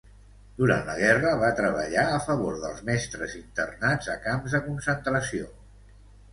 Durant la guerra va treballar a favor dels mestres internats a camps de concentració.